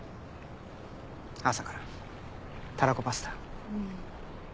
朝からたらこパスタ。